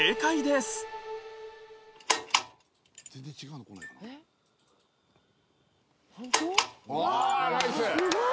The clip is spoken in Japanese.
「すごい！」